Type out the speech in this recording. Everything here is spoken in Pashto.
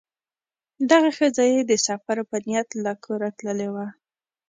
دغه ښځه یې د سفر په نیت له کوره تللې وه.